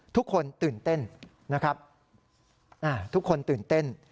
ทุกคนตื่นเต้นนะครับทุกคนตื่นเต้น